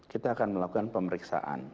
kita akan melakukan pemeriksaan